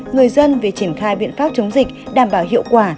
người dân về triển khai biện pháp chống dịch đảm bảo hiệu quả